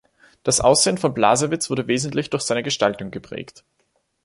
Das Aussehen von Blasewitz wurde wesentlich durch seine Gestaltung geprägt.